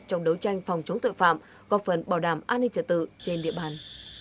trong đấu tranh phòng chống tội phạm góp phần bảo đảm an ninh trật tự trên địa bàn